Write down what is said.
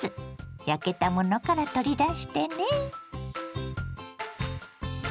焼けたものから取り出してね。